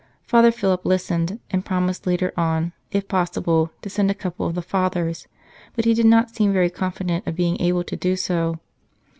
Father Philip listened, and promised later on, if possible, to send a couple of the Fathers, but he did not seem very confident of being able to do so.